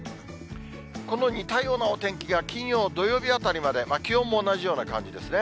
この似たようなお天気が金曜、土曜日あたりまで、気温も同じような感じですね。